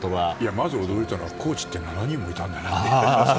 まず驚いたのはコーチって７人もいたんだなって。